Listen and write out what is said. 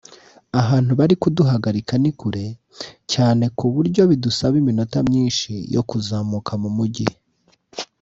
Ahantu bari kuduhagarika ni kure cyane ku buryo bidusaba iminota myinshi yo kuzamuka mu Mujyi